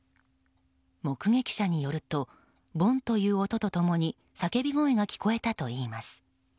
目撃者によるとボンという音ともに叫び声が聞こえたといいます。